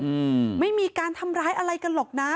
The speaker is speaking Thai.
อืมไม่มีการทำร้ายอะไรกันหรอกนะ